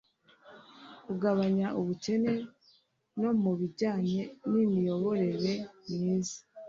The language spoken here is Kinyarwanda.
kugabanya ubukene no mu bijyanye n’imiyoborere myiza